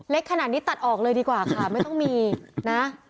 ขนาดนี้ตัดออกเลยดีกว่าค่ะไม่ต้องมีนะ